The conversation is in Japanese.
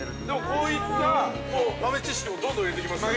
◆こういった豆知識もどんどん入れていきますから。